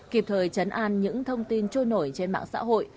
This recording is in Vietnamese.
kịp thời chấn an những thông tin trôi nổi trên mạng xã hội